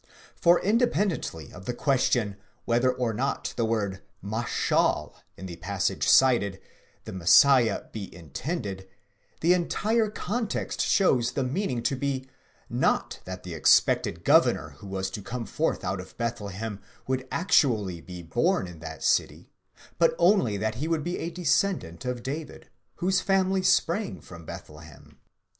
For independently of the question whether or not under the word Dein, in the passage cited, the Messiah be intended, the entire context shows the meaning to be, not that the expected governor who was to come forth out of Bethlehem would actually be born in that city, but only that he would be a descendant of David, whose family sprang from Bethlehem.